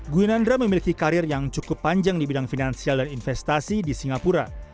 gwinandra memiliki karir yang cukup panjang di bidang finansial dan investasi di singapura